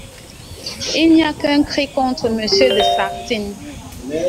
Il n'y a qu'un cri contre Monsieur de Sartine.